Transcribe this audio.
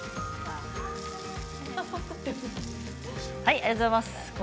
ありがとうございます。